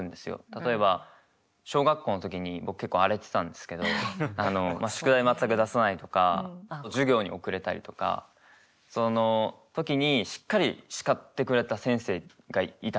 例えば小学校の時に僕結構荒れてたんですけど宿題全く出さないとか授業に遅れたりとかその時にしっかり叱ってくれた先生がいたんですよ。